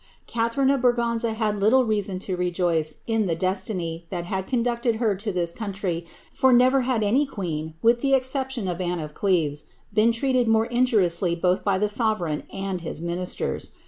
'"' Citharine of Braganza had had little reason to rejoice in the destiny Att had conducted her to this country, for never had any queen, with tt exception of Anne of Geves, been treated more injuriously both by k sovereign and his ministers.